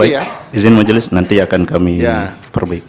baik izin majelis nanti akan kami perbaiki